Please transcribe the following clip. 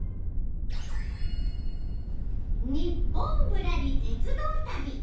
「ニッポンぶらり鉄道旅」。